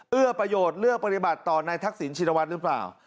เอื้อประโยชน์เลือกปฏิบัติต่อในทักษิณชินวัฒน์หรือเปล่า